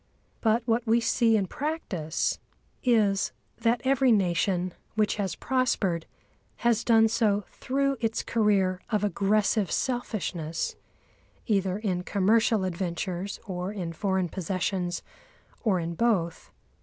But what we see in practice is, that every nation which has prospered has done so through its career of aggressive selfishness either in commercial adventures or in foreign possessions, or in both.